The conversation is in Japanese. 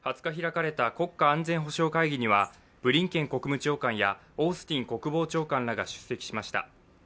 ２０日開かれた国家安全保障会議にはブリンケン国務長官やオースティン国防長官らが出席しました。